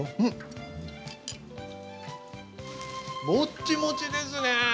もっちもちですね。